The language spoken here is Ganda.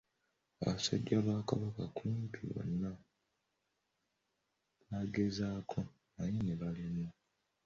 Abasajja ba kabaka kumpi bonna bagezaako naye ne balemwa.